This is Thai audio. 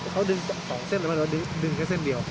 เขาดึงสองเส้นหรือดึงแค่เส้นเดียว